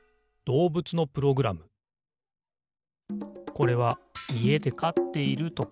これはいえでかっているトカゲ。